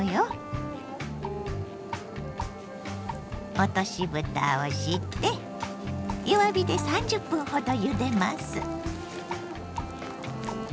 落としぶたをして弱火で３０分ほどゆでます。